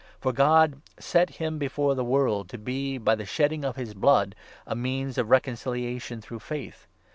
For God set him before the world, to 25 be, by the shedding of his blood, a means of reconciliation through faith.